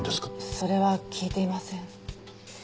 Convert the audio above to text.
それは聞いていません。